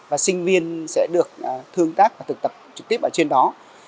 và sinh viên sẽ được thương tác và thực tập trực tiếp ở trên đó